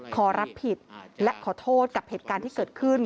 ขอรับผิดและขอโทษกับเหตุการณ์ที่เกิดขึ้น